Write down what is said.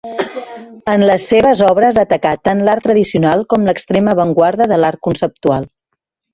En les seves obres atacà tant l'art tradicional com l'extrema avantguarda de l'art conceptual.